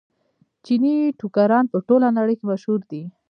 چیني ټوکران په ټوله نړۍ کې مشهور دي.